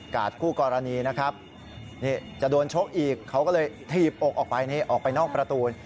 คู่กรณีนะครับนี่จะโดนชกอีกเขาก็เลยถีบอกออกไปนี่ออกไปนอกประตู